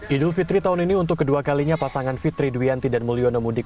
idul fitri tahun ini untuk kedua kalinya pasangan fitri duyanti dan mulyono mudik